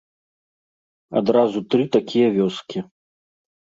Адразу тры такія вёскі.